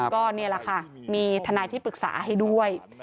ก็นี่แหละค่ะมีทนายที่ปรึกษาให้ด้วย